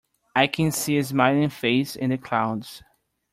I can see a smiling face in the clouds.